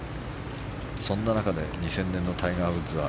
そんな中で２０００年のタイガー・ウッズは